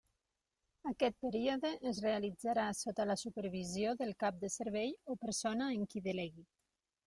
Aquest període es realitzarà sota la supervisió del Cap de Servei o persona en qui delegui.